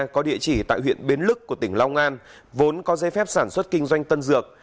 có địa chỉ tại huyện bến lức của tỉnh long an vốn có dây phép sản xuất kinh doanh tân dược